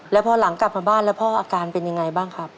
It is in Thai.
แล้วพอหลังกลับมาบ้านแล้วพ่ออาการเป็นยังไงบ้างครับ